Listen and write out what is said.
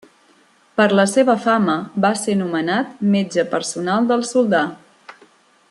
Per la seva fama va ser nomenat metge personal del soldà.